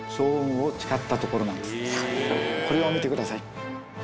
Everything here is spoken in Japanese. これを見てください。